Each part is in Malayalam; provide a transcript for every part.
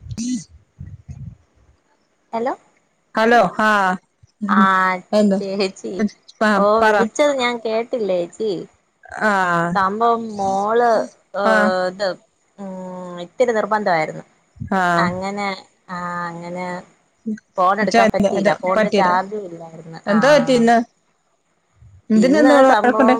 [inaudible] ഹെലോ? ഹലോ, ആഹ് ആഹ്, എന്താ ചേച്ചി ആ ഓ പറ വിളിച്ചത് ഞാൻ കേട്ടില്ലേച്ചീ. ആഹ് സംഭവം മോള് അ് ആഹ് ത് ഉം, ഇത്തിരി നിർബന്ധൊയ്ര്ന്ന്. ആഹ് അങ്ങനെ ആഹ് അങ്ങനെ ച്ചാ ഫോണെട്ക്കാപറ്റിയില്ല. ഫോണ്ല് പറ്റീല ചാർജു ഇല്ലായിര്ന്ന്. എന്താ പറ്റി ആഹ് ഇന്ന് എന്തിനാന്ന് ഇന്ന് ഇവള് വഴക്കുണ്ടെ സംഭവം,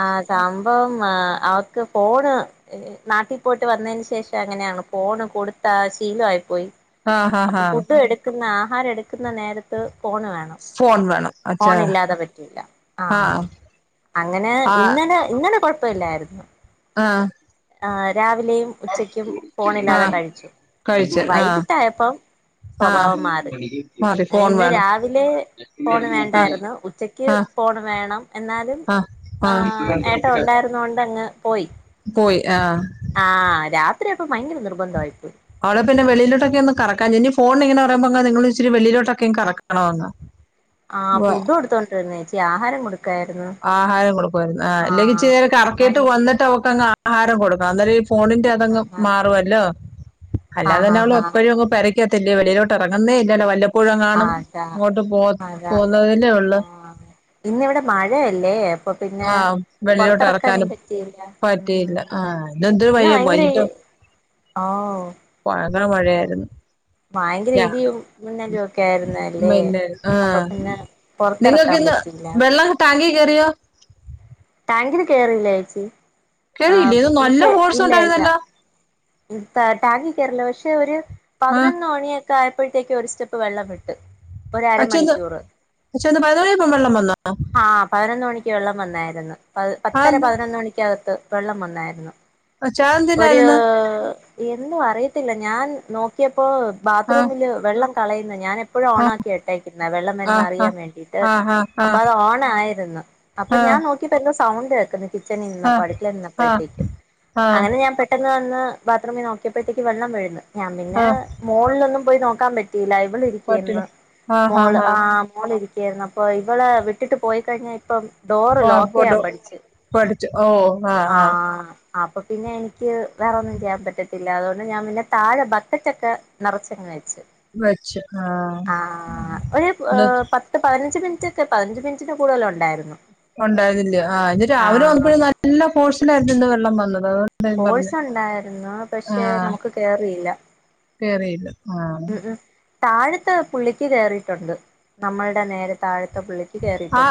ആഹ് സംഭവം ആ അവക്ക് ഫോണ് ഏ നാട്ടിപോയിട്ട് വന്നേന് ശേഷം അങ്ങനെയാണ്. ഫോണ് കൊടുത്താ ശീലോയി പോയി. ആഹ് ഹാ അപ്പൊ ഹാ ഫുഡ് എട്ക്ക്ന്ന ആഹാരം എട്ക്ക്ന്ന നേരത്ത് ഫോണ് വേണം. ഫോൺ വേണം അച്ഛാ. [unintelligible] ആഹ്, അങ്ങനേ ആഹ് ഇന്നലെ ഇന്നല കൊഴപ്പല്ലാര്ന്ന്. ആഹ്. ആഹ്, രാവിലെയും ഉച്ചയ്ക്കും ഫോണില്ലാതെ ആഹ് കഴിച്ചു. കഴിച്ച് ആഹ് വൈകിട്ടായപ്പം ആഹ് സ്വഭാവം മാറി. മതി അയിന് ഫോൺ ന്ന് വേണം രാവിലെ ഫോണ് ആഹ് വേണ്ടായ്ര്ന്നു ഉച്ചയ്ക്ക് ആഹ് ക്ക് ഫോണ് വേണം, എന്നാലും ആഹ് ഏട്ട ഉണ്ടായിരുന്നോണ്ടങ്ങ് പോയി. പോയി ആഹ്. ആഹ്, രാത്രി ഒക്കെ ഭയങ്കര നിർബന്ധോയിപ്പോയി അവള്പിന്നെ വെളിയിലോട്ടൊക്കെ ഒന്ന് കറക്കാചെ ഞ്ഞി ഫോൺന് ങ്ങനെ പറയുമ്പോ നിങ്ങള്ച്ചിരി വെളിയിലൊട്ടൊക്കെ കറക്കണോന്ന്. ആഹ്, ഫുഡൊട്ത്തോണ്ടിര്ന്നാ ഏച്ചീ, ആഹാരം കൊട്ക്കായ്ര്ന്ന്. ആഹാരം കൊട്ക്കുവായിരുന്നു. ആഹ് അല്ലെങ്കിച്ചിര്യേരം കറക്കിയിട്ട് ആഹാരം വന്നിട്ട് കൊടുക്കായിരുന്നു അവക്കങ്ങ് ആ ആഹാരം കൊടുക്കണന്നേരം ഈ ഫോണിന്റെ അതങ്ങ് ആഹ് മാറുവല്ലോ. അല്ലാതെ ആഹ് തന്നെ ആഹ് അവള് ആഹ് എപ്പഴു ആഹ് അങ്ങ് പെര ക്ക്യത്തല്ലേ വെളിയിലോട്ടെറങ്ങുന്നേല്ലല്ലോ വല്ലപ്പോഴും കാണും അതാ ഇങ്ങോട്ട് പോ അതാ പോകുന്നതല്ലേ ഉള്ളു. ആഹ് ഇന്നിവിടെ മഴയല്ലേ. അപ്പൊ പിന്നെ ആ വെളിയിലോട്ട് പൊറത്തെറക്കാനും ഇറക്കാനും പറ്റിയില്ല. ഉം പറ്റിയില്ല ആ ഇന്നെന്തൊരു വൈ ന്നാ ഭയങ്കര [unintelligible] വൈകിട്ട് ആഹ് ഓ ഭയങ്കര ഇന്ന് മഴയാര്ന്ന്. ഭയങ്കര ഇടിയും മിന്നലുഒക്കെ ആയിരുന്നല്ലേ. അപ്പൊ പിന്നെ പൊറത്തിറക്കാൻ നിങ്ങൾക്കിന്ന് പറ്റിയില്ല വെള്ളം ടാങ്കി കേറിയോ? ടാങ്കില് കേറിയില്ല ഏച്ചീ. കേറിയില്ലേ ആഹ് ഇത് നല്ല പഷെ ഫോഴ്സ് ഇല്ല, ഇല്ല. ഉണ്ടായിരുന്നല്ലോ ഉം. ടാ ടാങ്കി കേറില്ല പഷെ ഒര് ആ പതിനൊന്ന് മണിയൊക്കെ ആയപ്പോഴത്തേയ്ക്ക് ഒരു സ്റ്റെപ്പ് വെള്ളം വിട്ട്. ഒരു പച്ചന്ന് അരമണിക്കൂറ് പച്ചെന്ന് പതിനൊന്നണിയായപ്പം വെള്ളം വന്നോ? ആഹ് പതിനൊന്ന് മണിയ്ക്ക് വെള്ളം വന്നാര്ന്നു. പ ആ പത്തര പതിനൊന്നണിക്കകത്ത് വെള്ളം വന്നാര്ന്നു. [unintelligible] ഒര് എന്തോ അറിയത്തില്ല ഞാൻ നോക്കിയപ്പോ ആ ബാത്റൂമില് വെള്ളം കളയുന്ന ഞാന യപ്പോഴും ഓണാക്കിയ ഇട്ടേക്കുന്നെ വെള്ളം ആ വരുന്നെ ആ അറിയാൻ വേണ്ടിയിട്ട് ആ ആ ആ ആ അപ്പത് ഓണായിരുന്നു അപ്പൊ ഞാൻ നോക്കി പ്പ എന്താ സൗണ്ട് കേക്കുന്നു കിച്ചണി ആ നിന്നപ്പോ അടുക്കളെ ആ നിന്നപ്പോഴത്തേക്കും ആ അങ്ങനെ ഞാൻ പെട്ടെന്ന് വന്ന് ബാത്റൂമിൽ നോക്കിയപ്പോഴത്തേക്ക് വെള്ളം വെരുന്നു ഞാൻ ആ പിന്നെ മോളിലൊന്നും പോയി നോക്കാൻ പറ്റിയില്ല ഇവള് പറ്റില്ല ഇരിക്കേയിര്ന്ന് മോൾ ആ മോൾ [unintelligible] ര്ന്നു, അപ്പൊ ഇവളെ വിട്ടിട്ട് പോയി കഴിഞ്ഞാ ഇപ്പം ഡോറ് ആ ലോക്കെയ്യാൻ പോട്ടോ പഠിച്ചു പഠിച്ചു ഓ ആ ആ ആഹ് അപ്പ പിന്നെ എനിക്ക് വേറൊന്നും ചെയ്യാൻ പറ്റത്തില്ല അതുകൊണ്ട് ഞാൻ പിന്നെ താഴെ ബക്കറ്റൊക്കെ നിറച്ചങ്ങനെ വെച്ച് വെച്ച് ആഹ് ഇ പതിനഞ്ച് മിനിറ്റെ ഒക്കെ പതിനഞ്ച് മിനിന്റെ കൂടുതലാ ഉണ്ടായിരുന്നു ഉണ്ടായിരുന്നില്ല ആ ഇന്ന് രാവിലെ ആഹ് വന്നപ്പോഴും നല്ല ഫോഴ്സിലായിരുന്നല്ലോ വെള്ളം വന്നത് ഞാൻ പറഞ്ഞു ഹോഴ്സ് ഉണ്ടായിരുന്നു ആ പക്ഷെ നമുക്ക് കേയറിയില്ല കേറിയില്ല ആ ഉംഉംതാഴത്തെ പുള്ളിക്ക് കയറിയിട്ടുണ്ട് നമ്മളുടെ നേരെ താഴത്തെ പുള്ളി ആ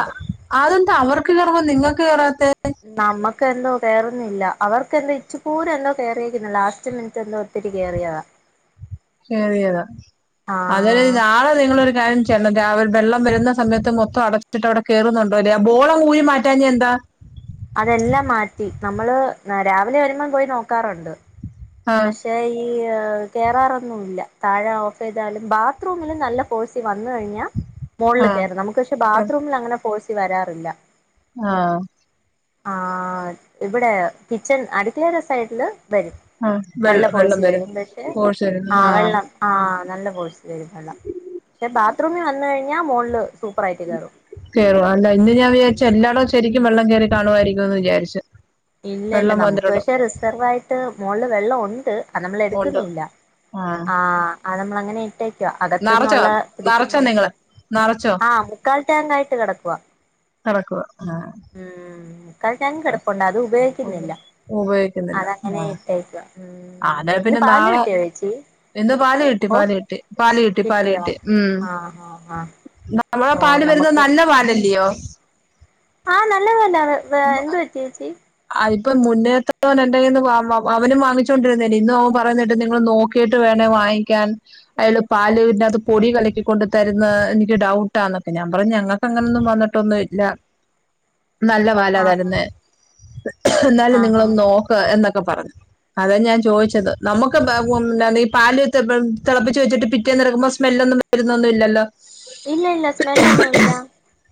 അതെന്ത അവർക്ക് കേറുമ്പം നിങ്ങക്ക് കേറാത്തെ നമ്മുക്കെന്തോ കയറുന്നില്ല അവർക്കന്തോ ഇച്ചു കൂരം എന്തോ കേറിയിരിക്കുന്നു ലാസ്റ്റ് മിനിറ്റ് എന്തോ ത്തിരി കയറിയ കേറിയതാ അത ആഹ് നാളെ നിങ്ങളൊരു കാര്യം ചെയ്യണം രാവിലെ വെള്ളം വരുന്ന സമയത്ത് മൊത്തം അടച്ചിട്ട്ട്ടെ അവടെ കയറുന്നുണ്ടോ അ ബോള ഊരി മാറ്റി ട്ടാഞ്ഞന്താ അതെല്ലാം മാറ്റി നമ്മള് രാവിലെ വരുമ്പോ പോയി നോക്കാറുണ്ട് ആ പക്ഷേ ഈ കേയറാറൊന്നുമില്ല താഴെ ഓഫ് ചെയ്താലും ബാത്റൂമിലും നല്ല ഫോഴ്സി വന്ന് കഴിഞ്ഞാൽ മോളില് ആ കേറുംനമുക്ക് പക്ഷെ കേറ്. ബാത്റൂമിൽ അങ്ങനെ ഫോഴ്സി വരാറില്ല ആഹ് ആഹ് ഇവിടെ കിച്ചൺ അടുക്കളേലെ സൈഡില് വരും ആ നല്ല വെള്ളം വെള്ളം ഫോഴ്സി വരും പക്ഷെ ഫോഴ്സ് വരും ആ വെള്ളം ആഹ് നല്ല ഫോഴ്സ് വരും വെള്ളം പക്ഷെ ബാത്റൂമിൽ വന്ന കഴിഞ്ഞാൽ മോള് സൂപ്പർ ആയിട്ട് കയറും കേയറും അല്ല ഇന്ന് ഞാൻ വിചാരിച്ചു ഉം എല്ലാടും ശരിക്കും വെള്ളം കയറി കാണുവായിരിക്കുംന്ന് വിചാരിച്ചു ഇല്ല ഇല്ല വെള്ളം നമുക്ക് വന്നിട്ടുണ്ട് പക്ഷെ റിസർവ് ആയിട്ട് മോളല് വെള്ളം ഉണ്ട് അത്നമ്മള് ഉണ്ട് എടുക്കുന്നില്ല ആ ആ നമ്മള അങ്ങനെ അകത്ത് നിറച്ചോ നിന്നുള്ള നിറച്ചോ പിടിക്ക നിങ്ങള് നിറച്ചോ ആ മുക്കാൽ ടാങ്കായിട്ട് കടക്കുവാ കടക്കുവാ ആ ഉം ആ. ഞാൻകിടപ്പുണ്ട്. അത് ഉപയോഗിക്കുന്നില്ല ഉപയോഗിക്കുന്നില്ല അതങ്ങനെ ഇട്ടേക്കുവാ ഉം ആ അതെ ഇന്ന് പിന്നെ പാല് നാളെ കിട്ടിയോ ചേച്ചി ഇന്ന് പാല് കിട്ടി ഓ പാല് കിട്ടി പാല് കിട്ടി കിട്ടിയോ പാല്കിട്ടി ഉം ആഹ് ആഹ് ആഹ് നമ്മളെ ഓ പാല് വരുന്നത് നമുക്ക് നല്ല പാലല്ലയോ ആഹ് നല്ലതന്നെ അതെഎന്തു പറ്റി ചേച്ചി അതിപ്പം മുന്നേത്തവൻ എന്റെകയിന്ന് അവനും വാങ്ങിച്ചോണ്ടിരുന്നേല്ലേ ഇന്ന് അവൻ പറയുന്നേട്ട് നിങ്ങൾ നോക്കി ക്കീട്ട് വേണേ വാങ്ങിക്കാൻ അയാള് പാലുവികത്ത് പൊടി കലക്കി കൊണ്ട് തരുന്ന എനിക്ക് ഡൗട്ടാന്നൊക്കെ ഞാൻ പറഞ്ഞ് ങ്ങ ക്ക്അങ്ങനൊന്നും വന്നിട്ടൊന്നുല്ല നല്ല പാലാ ആണോ തര്ന്നേ നഎന്നാലും ആഹാ നിങ്ങളൊന്ന് നോക്ക് എന്നൊക്കെ പറഞ്ഞു അതാ ഞാൻ ചോയ്ച്ചത് നമുക്ക് ഈ പാല് തെളപ്പിച്ച് വെച്ചിട്ട് പിറ്റേന്ന് ഇട്ക്കുമ്പ സ്മെല്ലൊന്നും വരുന്നൊന്നുല്ലല്ലോ ഇല്ലല്ല സ്മെല്ലൊന്നു ല്ല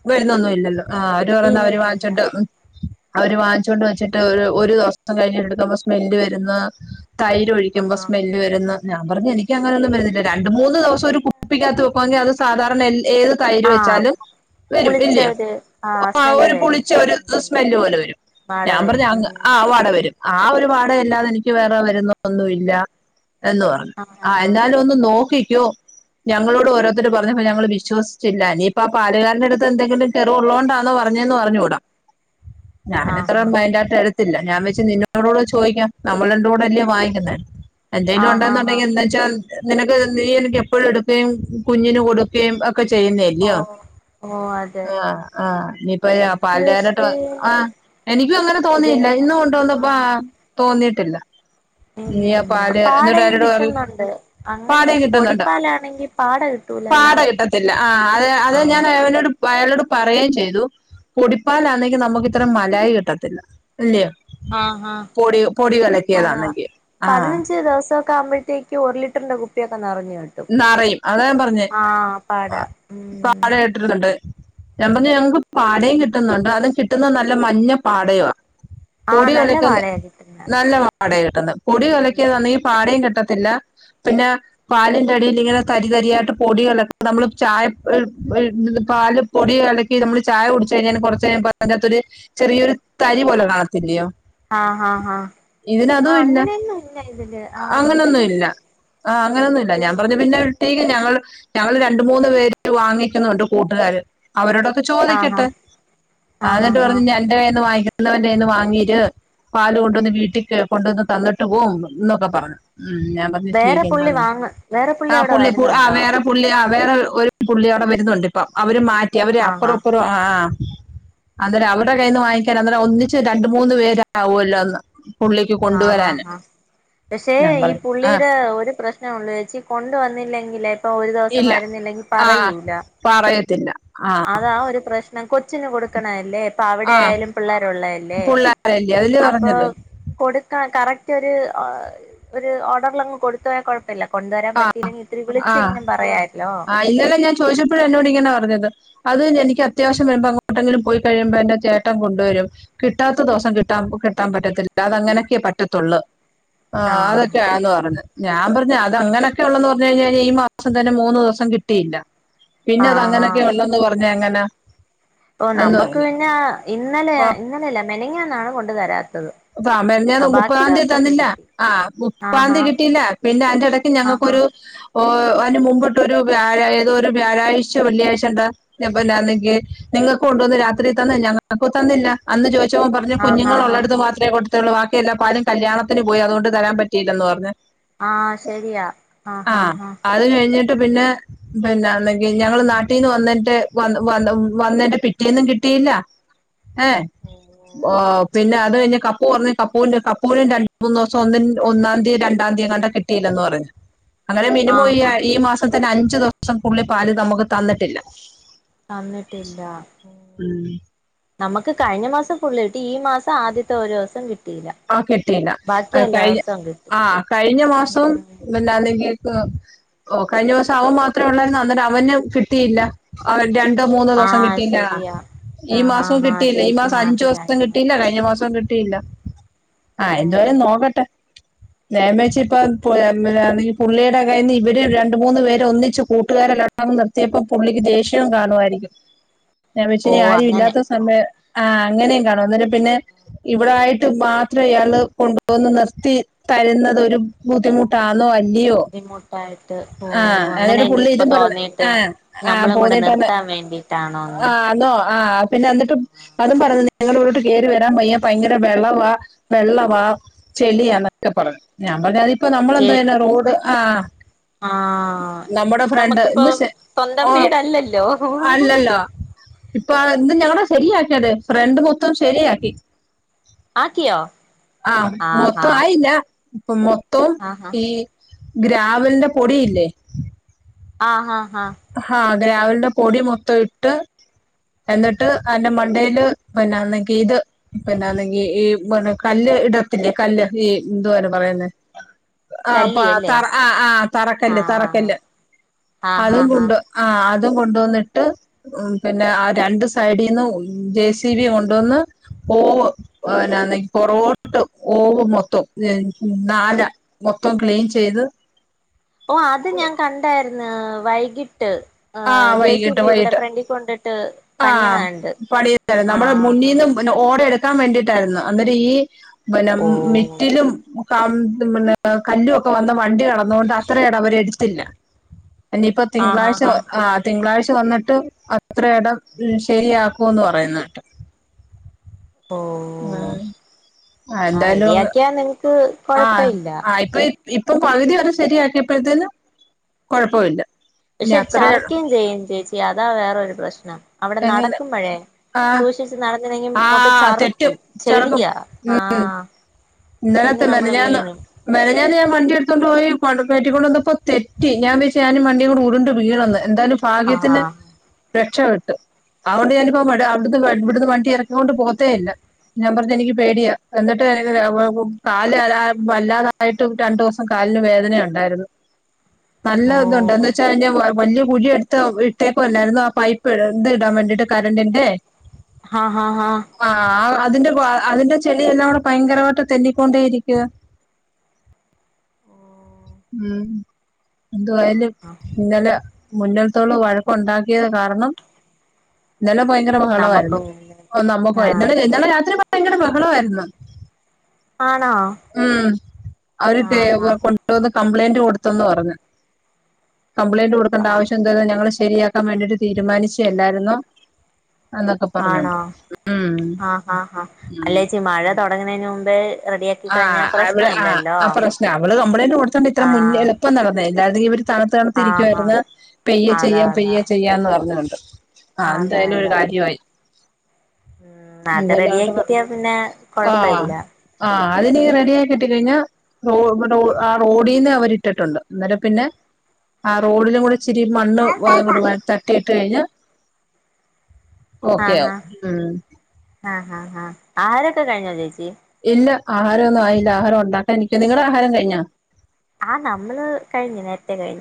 വരുന്നൊന്നുല്ലല്ലോ ആഹ് അവര് പറയുന്നേ അവര് ഇല്ല ഉം അവര് വാങ്ങിച്ചോണ്ട് വെച്ചിട്ട് ഒരു ഒരു ദിവസം കഴിഞ്ഞിട്ട് എട്ക്കുമ്പോ സ്മെല്ല് വരുന്ന തൈര് ഒഴിക്കുമ്പോ ആഹ് സ്മ ല്ല് വരുന്ന് ഞാം പറഞ്ഞു എനിക്ക് അങ്ങനെയൊന്നും വര്ന്നില്ല. രണ്ട്, മൂന്ന് ദിവസം ഒരു കുപ്പിക്കകത്ത് അത് സാധാരണ എല്ല് ഏത് തൈര് ആഹ് വെച്ചാലും വെരും പുളിച്ച ഇല്യോയോ ഒരു ആഹ് സ്മെല്ല് ഒര് പുളി വരും ച്ച ഒര് ഉം സ്മെല്ല് പോലെ വെരും വാട ഞാൻ പറഞ്ഞു വരും അങ്ങ് ഉം ആഹ് വാട വരും ആഹ് ഒരു വാടയല്ലാതെ എനിക്ക് വേറെ വരുന്നു ഒന്നുമ്മില്ല എന്ന് പറഞ്ഞു ആഹ് എന്നാലും ന്ന് നോക്കിക്കോ ഞങ്ങളോട് ഓരോര്ത്തര് പറഞ്ഞപ്പോ ഞങ്ങള് വിശ്വസിച്ചില്ല ല്ലേആഹ് പാലുകാരന്റെ അട്ത്ത് എന്തെ കെറേള്ളതോണ്ടാന്ന് പറഞ്ഞന്ന് പറഞ്ഞുകൂടാ ഞാൻ ആഹ് എത്ര മൈൻഡായിട്ട് ട്ടില്ല ഞാൻ വെച്ചു നിന്നോടൊന്ന് ചോദിക്കാം നമ്മൾ രണ്ടുകൂടല്ലെ വാങ്ങിക്കുന്നേ എന്തേലും ആഹ് ആഹ് ആഹ് ഉണ്ടെന്നുണ്ടെങ്കി ആഹ് എന്താച്ചാ നിനക്ക് നീ എനിക്കെപ്പഴും എടുക്കുകയും കുഞ്ഞിന് കൊടുക്കുകയും ഓ ക്കയുംചെയുന്നല്ലിയോ ഓ അതെ ആഹ് ആഹ് ഞ്ഞിപ്പൊ എനിക്ക് പല്ലേരട്ട് പക്ഷേ ആഹ് എനിക്കും അങ്ങനെ തോന്നിയില്ല ഇന്ന് കൊണ്ടുവന്നപ്പോ ആഹ് തോന്നിയിട്ടില്ല നീ ഇല്ല ആ ഇല്ല പാല് എന്നിട്ട് പാടയും അവരോട് പറയും കിട്ടുന്നൊണ്ട് പാടേ അങ്ങനെ കിട്ടുന്നുണ്ട് പൊടിപ്പാലാണെ പാട കിട്ടൂ പാട കെട്ടത്തില്ല ആ അത അതെ ഞാൻ അവനോട് പ്പഅയളോട് പറയേം ചെയ്തു പൊടിപ്പാലാന്നെങ്കി നമ്മക്കിത്ര മലായി കിട്ടത്തില്ല ല്ലേ ആഹ് ആഹ് പൊടി പൊടികലക്കിയതാണല്ലേ ആഹ് [unintelligible] ക്കാവുമ്പത്തേക്കും ഒര് ലിറ്ററിന്റെ കുപ്പിയൊക്കെ നെറഞ്ഞു കാണു നറയും അതാ ഞാം പറഞ്ഞേ പാട ഉം പാട കേട്ട്ന്നുണ്ട് ഞാം പറഞ്ഞു ഞങ്ങക്ക് പാടയും കിട്ടുന്നുണ്ട് അതും കിട്ടുന്നത് നല്ല മഞ്ഞ പാടയുവാ ആഹ് പൊടി നല്ല കലക്കൽ പാടയാ കിട്ടുന്നെ നല്ല പാടയാ കിട്ടന്ന് പൊടി ഉം ക്കിയവെക്കുവാണെങ്കി പാടയും കിട്ടത്തില്ല പിന്നെ പാ എടേൽ ങ്ങനെ തരി തരി ആയിട്ട് പൊടികളൊക്കെ നമ്മള് ചായ ഒര് ഒര് പാല് പൊടി കല്ക്കി നമ്മള് ചായ കുടിച്ച് കഴിഞ്ഞാല് കൊറച്ച്കഴിയുമ്പോ അയ്നകത്തോര് ചെറിയൊരു തരി പോലെ കാണത്തില്ലയോ ആഹ് ആഹ് ആഹ് ആഹ് ഇതിനതും ഇല്ല അങ്ങനെയൊന്നുല്ല ഇതില് ആഹ് അങ്ങനെന്നു ആഹ് അങ്ങനൊന്നുല്ല ഞാം പർഞ്ഞു പിന്നെട്ടീക്ക് ഞങ്ങള് ഞങ്ങള് രണ്ട്, മൂന്ന് പേര് വാങ്ങിക്കുന്നുണ്ട് കൂട്ടുകാര് അവരോടൊക്കെ ആഹ് ഹാ ചോദിക്കട്ടെ ആഹ് ന്നിട്ട് പറഞ്ഞു നിന്റെ കയ്യ് വാങ്ങിക്കുന്നവന്റെ കയ്യ്ന്ന് വാങ്ങീറ്റ് പാല് കൊണ്ടുവന്ന് വീട്ടിക്ക് കൊണ്ടുവന്ന് തന്നിട്ട് പോവും ന്നൊക്കെ പറഞ്ഞു ഉം ഞാം വേറെ പുള്ളി വാങ്ങ് വേറെ പുള്ളി അവിടെ ആ വരുന്നുണ്ടോ വേറെ പുള്ളി ആഹ് വേറെ ഒരു പുള്ളി അവിടെ വരുന്നുണ്ട് ഇപ്പൊ അവര് മാറ്റി അവര് അപ്പറോ ഇപ്പറോ ആഹ് ആഹ് അന്നേരം അവരുടെ കയ്യിൽ നിന്ന് വാങ്ങിക്കാൻ അന്നേരം ഒന്നിച്ച് രണ്ട്, മൂന്ന് പേരാവല്ലോന്ന് ആഹ് ആഹ് ആഹ് പക്ഷെ ഞാൻ ഈ പറഞ്ഞു ആ പുള്ളിരെ ഒര് പ്രശ്ന ള്ളു ചേച്ചി കൊണ്ടുവന്നില്ലെങ്കിൽ ഒരു ദെവസം ഇല്ല വരുന്നില്ലെങ്കിൽ ആ പറയൂല. പറയത്തില്ല ആ അതാ ഒരു പ്രശ്ന നം കൊച്ചിന് കൊടുക്കണല്ലേ ഇപ്പൊ അവടെ ആ ആയാലും പിള്ളേരുള്ളല്ലേ പുള്ളാരല്ലേ അതില് അപ്പൊ പറഞ്ഞത് കൊടുക്കാൻ കറക്റ്റൊര് ഒര് ഓർഡറിലങ്ങ് കൊട്ത്ത് പോയാൽ കൊഴപ്പല്ല കൊണ്ടുവരാൻ പറ്റിയില്ലെങ്കിൽ ഇത്തിരി വിളിച്ചെങ്കിലും പറയാല്ലോ ഇല്ലോലൊക്കെ ചോയ്ച്ചപ്പഴും എന്നോടിങ്ങനാ പറഞ്ഞത് അത് എനിക്ക് അത്യാവശ്യം വരുമ്പോ അങ്ങോട്ടെങ്കിലും പോയി കഴിയുമ്പോ എന്റെ ചേട്ടൻ കൊണ്ട് വരും കിട്ടാത്ത ദിവസം കിട്ടാ കിട്ടാൻ പറ്റത്തില്ല അതങ്ങനെക്കെ പറ്റത്തുള്ളൂ ആഹ് അതൊക്കെയാന്ന് പറഞ് ഞാൻ പറഞ്ഞു അത് ആഹ് അങ്ങനൊക്കെഉള്ളെന്ന് പറഞ് കഴിഞ്ഞാ ഞ്ഞി മാസം തന്നെ മൂന്നു ദിവസം കിട്ടിയില്ല പിന്നെ അത് അങ്ങനെയൊക്കെ ആഹ് ഉള്ളെന്ന് പറഞ്ഞ എങ്ങനാ ഓ നമ്മുക്ക് പിന്നെ ഇന്നലെയ അപ്പൊ ഇന്നലെല്ല മിനിഞ്ഞാന്നാണ് കൊണ്ടു തരാത്തത് [unintelligible] ആ ബാക്കി മുപ്പത്താതി ദിവസൊക്കെ തന്നില്ല കിട്ടി ആ ആഹാ മുപ്പത്താതി കിട്ടിയില്ല പിന്നെ അയ്ന്റെ ഇടയ്ക്ക് ആഹാ ഞങ്ങൾക്കൊരു- ഓ അതിന് മുൻപത്തൊരു വ്യാഴ ഏതോ ഒരു വ്യാഴാഴ്ച വെള്ളിയാഴ്ച എന്താ- [unintelligible] ല്ലന്നെങ്കിൽ നിങ്ങൾക്ക് കൊണ്ടുവന്ന് രാത്രി തന്ന് ഞങ്ങക്കും തന്നില്ല അന്ന് ചോദിച്ചപ്പൊ പറഞ് ആഹാ കുഞ്ഞുങ്ങൾ ഹാ ഉള്ളടടുത്ത് മാത്ര- ലെ കൊടുത്തുള്ളു ബാക്കിയല്ലാം പാലും കല്യാണത്തിന് പോയി അതുകൊണ്ട് തരാൻ പറ്റിയില്ലന്നു പറഞ്ഞു ആഹ് ശരിയാ അ ആ അ അ അത് കഴിഞ്ഞ്- ട്ട് പിന്നെ പിന്നന്നെങ്കി ഞങ്ങള് നാട്ടിൽന്ന് വന്നിതിന്റെ വന്ന് വന്ന് വന്നിന്റെ പിറ്റേന്നും കിട്ടിയില്ല ഏ ഓ ഓ പിന്നെ അത് കഴിഞ്ഞ് കപ്പു വന്നു കപ്പുന്റെ കപ്പൂനും രണ്ട്- മൂന്ന് ദിവസം ഒ ഒന്നാം തീയതി രണ്ടാം തീയതിയങ്ങാട്ടോ കിട്ടിയില്ലന്ന് പറഞ്ഞു അങ്ങനെ മിനിമം ഈ ആഹാ ഈ മാസം ഇപ്പൊതന്നെ അഞ്ചു ദിവസം പുള്ളി പാല് നമുക്ക് തന്നിട്ടില്ല തന്നിട്ടില്ല- ഉം നമ്മക്ക് കഴിഞ്ഞ മാസം ഫുള്ള് കിട്ടി ഈ മാസം ആദ്യത്തെ ഒരു ദിവസം കിട്ടിയില്ല ആഹ് കെട്ടീയില്ല- ബാക്കി എല്ലാ [unintelligible] ദിവസവും കിട്ടി ആഹ് കഴിഞ്ഞ മാസം- ഉം [unintelligible] ഓ കഴിഞ്ഞ പ്രാവശ്യം അവൻ മാത്രേ ഉള്ളരുന്നു അന്നേരം അവന് കിട്ടിയില്ല ആ രണ്ടോ മൂന്നോ ആ ദിവസം കിട്ടിയില്ല ശരിയാ ഈ ആഹാ മാസം ഹാ കിട്ടിയില്ല ഈ ചേച്ചി മാസം അഞ്ചു ദിവസം നാട്ടിലായിരുന്നു കിട്ടിയില്ല കഴിഞ്ഞ മാസും കിട്ടിയില്ല ആഹ് ഓ എന്ത്‌ വരും നോക്കട്ടെ രമേച്ചി ഇപ്പൊ [unintelligible] പുള്ളിയുടെ കയിൽന്ന് ഇവര് രണ്ട് മൂന്ന് പേര് ഒന്നിച്ച് കൂട്ടുകാരല്ല- [unintelligible] നിർത്തിയപ്പം പുള്ളിക്ക് ദേഷ്യം കാണുമായിരിക്കും ഞാൻ വെച്ച് ഓ ആരും അങ്ങനെ ഇില്ലാത്ത സമയം ആഹ് അങ്ങനെയും കാണും അന്നേരം പിന്നെ ഇവിടായിട്ട് മാ- ത്ര ഇയാൾ കൊണ്ടുവന്ന് നിർത്തി തരുന്നത് ഒരു ബുദ്ധിമുട്ടാണോ അ- ല്ലയോ- ബുദ്ധിമുട്ടായിട്ട് ഓ ആഹ് അങ്ങനെ എന്നിട്ട് പുള്ളി ഇനിയിപ്പോ ഇതും പറഞ്ഞ് തോന്നിയിട്ട് ആ ആ നമ്മളും കൂടെ പോന്നിട്ടാണ് നിർത്താൻ വേണ്ടിട്ടാണോന്ന് ആന്നോ ആഹ് പിന്നെ എന്നിട്ട് അതും പറഞ്ഞു ഞങ്ങളെ ഇങ്ങോട്ട് കയറി വരാൻ വയ്യാ ഭയങ്കര വെളളവാ- വെള്ളവാ ചെളിയാ എന്നൊക്കെ പറഞ്ഞു ഞാന് പറഞ്ഞു അത് ഇപ്പൊ ഞമ്മള് ചെ എന്താ നമ്മളെന്താെയ്തു റോഡ് ആ- ആഹ് നമ്മുടെ ഫ്രണ്ട് നമുക്കിപ്പോ ഇന്ന് ശ സ്വന്തം ഓ- വീടല്ലല്ലോ അല്ലല്ലോ- ഇപ്പൊ എന്ത് ഞങ്ങളെ ശരിയാക്കിയത് ഫ്രണ്ട് മൊത്തം ശരിയാക്കി- ആക്കിയോ ആഹ് മൊത്തം ആയില്ല മൊത്തും- ആഹ് ആഹ് ഈ ഗ്രാവൽന്റെ പൊടിയില്ലേ- ആഹ് ആഹ് ആഹ് ഹ്ഹാ അതെ ഗ്രാവൾടെ പൊടി മൊത്തം ഇട്ട്- എന്നിട്ട് അയ്ന്റെ മണ്ടയില് പിന്നെന്നങ്കി ഇത് പിന്നല്ലങ്കി ഈ കല്ല് ഇടത്തില്ലേ കല്ല് ഈ എന്തുവെ അയ്‌ന് പറയുന്നെ ആ പ്പ ത ചല്ലിയല്ലേ ആ ആ തറക്കല്ല് ആഹ് തറക്കല്ല് ആഹ് ഹാ അതും- ഹാ ആഹ് അതും കൊണ്ടുവന്നിട്ട്- ഉം പിന്നെ ആ രണ്ടു സൈഡിൽന്ന് ജെ സി ബി കൊണ്ടുവന്ന്- ഓവ് പിന്നേങ്കി പൊറോകോട്ട് ഓവ് മൊത്തവും [unintelligible] മൊത്തം ക്ലീൻ ചെയ്ത്- ഓ അത് ഞാൻ കണ്ടായിര്ന്ന് വൈകിട്ട്- ആഹ് ജെ സി വൈകിട്ട് ബി ഇവിടെ വൈകിട്ട്- ഫ്രണ്ടി കൊണ്ടിട്ട് ആ പണിയണ കണ്ട് [unintelligible] നമ്മള് ആഹ് മുന്നിന്നും ഓട് എടു- ടുക്കാൻ ൻ വേണ്ടിട്ടായിരുന്നു അന്നേരം ഈ ഓ മിറ്റിലും- [unintelligible] പിന്നെ കല്ലുമൊക്കെ വന്ന് വണ്ടി കടന്നുകൊണ്ട് അത്ര ഇട അവര് എടുത്തില്ല- ഇനി ഇപ്പ ആഹ് ഹാ തിങ്കളാഴ്ച. ഹാ ആ തിങ്കളായ്ച വന്നിട്ട് അത്രയിടം മ് ശരിയാക്കൂന്ന് പറയുന്നേട്ട്. ഓ ആഹ് ആ എന്തായാലും റെഡിയാക്കിയാ നിങ്ങക്ക് ആഹ് കൊഴപ്പയില്ല ആ ഇപ്പ ഈ. ഇപ്പൊ പകുതി വരെ ശരിയാക്കിയപ്പോഴത്തേനും കൊഴപ്പം ഇല്ല. പക്ഷെ ചറുക്കയും ചെയ്യും ചേച്ചി അതാ വേറൊരു പ്രശ്നം അവിടെ എങ്ങനെ നടക്കുമ്പഴേ. ആ സൂഷിച്ച് നടന്നില്ലെങ്കി ആ മൊത്തം ചറുക്കും തെറ്റും ചെറുക്കും ചെളിയാ ആഹ്. ഇന്നലത്തെ മിൻഞ്ഞാന്ന്. മെൻഞ്ഞാന്ന് ഞാൻ വണ്ടി എടുത്തൊണ്ട് പോയി പട്കേറ്റിക്കൊണ്ട് വന്നപ്പോ തെറ്റി ഞാൻ വെച്ചു ഞാനും വണ്ടിയും കൂടെ ഉരുണ്ട് വീണന്ന് എന്തായാലും ആ ഭാഗ്യത്തിന് രക്ഷപ്പെട്ട്. അഓണ്ട് ഞാനിപ്പോ മറ്റെ അവിട്ന്ന് ഇവിട്ന്ന് വണ്ടി എറക്കി കൊണ്ട് പോവത്തേ ഇല്ല. ഞാ പർഞ്ഞ് എനിക്ക് പേടിയാ എന്നിട്ട് എനി [unintelligible] വേവും കാൽന് വെല വല്ലാതായിട്ട് രണ്ടുസം കാലിന് വേദനയുണ്ടായിരുന്നു. നല്ല ഇതുണ്ട് എന്ന് ഓ വെച്ചാ അയ്ന്റെ വവല്യ കുഴിയ എടുത്ത് ട്ടേകൊല്ലായിരുന്നൊ ആ പൈപ്പ് എന്ത് ഇടാൻ വേണ്ടിയിട്ട് കറണ്ടറിന്റെ ആഹ് ഹ ഹ ആഹ് ആ അതിന്റെ അതിന്റെ ചെളിയെല്ലാം കൂടെ ഭയങ്കരമായിട്ട് തെന്നിക്കൊണ്ടേ ഇരിക്കുവ. ഓ മ്മ് ആ എന്തുവയാലും ആ ഇന്നലെ മുന്ന്ൾത്തോള് വഴക്കുണ്ടാക്കിയത് കാരണം ഇന്നലെ പ ങ്കര ബഹളമായിരുന്നു നമുക്കും ഓ നമ്മുക്കൊ ആ ആ [unintelligible] രാത്രി ഭയങ്കര ബഹളമായിരുന്നു. ആണോ ഉം അവര് തേ. ആ ഹാ [unintelligible] ഒന്ന് കംപ്ലൈന്റ് കൊടുത്തന്ന് പറഞ്ഞ് കംപ്ലയിന്റ് കൊടുക്കണ്ട ആ ആവ്ശ്യന്ത ഞങ്ങൾ ശരിയാ ആക്കാൻ വേണ്ടിട്ട് തീരുമാനിച്ചു അല്ലായിരുന്നോ എന്നൊക്കെ ആണോ പറഞ്ഞോണ്ട് ഉം ആ ഹാ ഹാ ഉം. അല്ലേച്ചി മഴ തൊടങ്ങുന്നതിന് മുമ്പേ റെഡിയാക്കി കഴിഞ്ഞാ ആഹ് അവള് ആഹ് പ്രശ്നല്ലല്ലോ ആ പ്രശ്നം അവള് കംമ്പ്ലൈന്റ് കൊടുത്തോണ്ട് ഇത്ര ആ മുൻ എളുപ്പം നടന്നെ അല്ലായിരുന്നങ്ക ഇവര് തണ്‌ത്ത് തണ്ത്ത് ആ ആ ഇരിക്കായിരുന്ന് പെയ്യെ അതാ ചെയ്യാ അതാ പെയ്യേ ചെയ്യാംന്ന് പറഞ്ഞോണ്ട് ആഹ് അതാ എന്തായാലും ഒരു അതാ കാര്യമായി ഉം അത് എന്തായാലും റെഡി ആയി അവരുടെ ക്കിട്ടിയ പിന്നെ കൊഴപ്പ ആഹ് ഇല്ല ആഹ് അതിനി റെഡിയായി കിട്ടി കഴിഞ്ഞാ [unintelligible] ആ റോഡിന്ന് അവരിട്ടിട്ടുണ്ട് അന്നേരം പിന്നെ ആ റോഡിലും കൂടി ഇച്ചിരി മണ്ണ് വവ്ടു തട്ടിയിട്ട് കഴിഞ്ഞാൽ ഓക്കെ ആഹ് ആവും ഉം ആഹ് ഹാ ഹാ ആഹാരൊക്കെ കഴി ഞ്ഞോ ചേച്ചി ഇല്ല ആഹാരം ഒന്നും ആയില്ല ആഹാരം ഉണ്ടാക്കാ നിക്കാ നിങ്ങടെ ആഹാരം കഴിഞ്ഞാ? ആ നമ്മള് കഴിഞ്ഞു നേരത്തെ കഴിഞ്ഞു